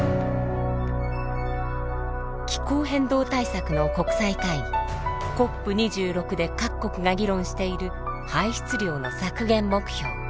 気候変動対策の国際会議ＣＯＰ２６で各国が議論している排出量の削減目標。